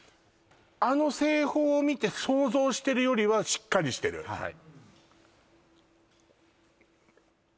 あの製法を見て想像してるよりはしっかりしてるはい